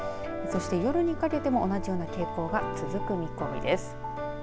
そして夜にかけても同じような傾向が続く見込みです。